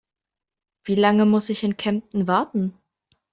Wie lange muss ich in Kempten warten?